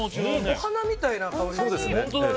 お花みたいな香りがする。